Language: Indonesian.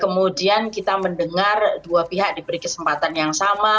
kemudian kita mendengar dua pihak diberi kesempatan yang sama